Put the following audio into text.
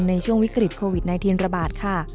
ในช่วงวิกฤตโควิด๑๙ระบาดค่ะ